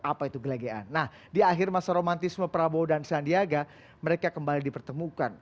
apa itu gelegean nah di akhir masa romantisme prabowo dan sandiaga mereka kembali dipertemukan